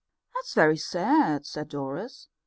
"That's very sad," said Doris.